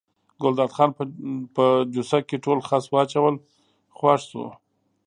ګلداد خان په جوسه کې ټول خس واچول خوښ شو.